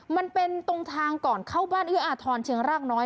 มันเป็นตรงทางก่อนเข้าบ้านเอื้ออาทรเชียงรากน้อย